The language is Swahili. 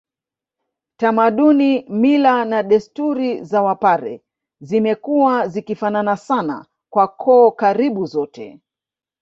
Tamaduni mila na desturi za wapare zimekuwa zikifanana sana kwa koo karibu zote